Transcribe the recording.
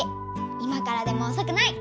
今からでもおそくない！